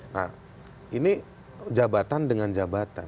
nah ini jabatan dengan jabatan